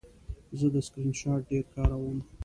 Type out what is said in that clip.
زه د سکرین شاټ ډېر کاروم.